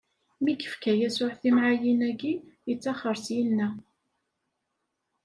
Mi yefka Yasuɛ timɛayin-agi, ittaxxeṛ syenna.